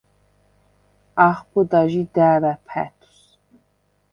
ახბჷდა ჟი და̄̈ვა̈ ფა̈თვს.